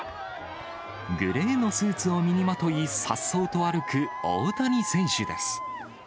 グレーのスーツを身にまとい、さっそうと歩く大谷選手です。